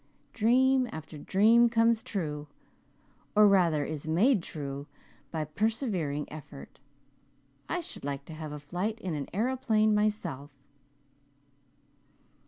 Dream after dream comes true or rather is made true by persevering effort. I should like to have a flight in an aeroplane myself."